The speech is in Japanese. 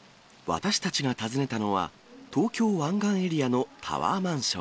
私たちが訪ねたのは、東京湾岸エリアのタワーマンション。